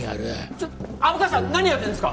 ・ちょ虻川さん何やってんですか。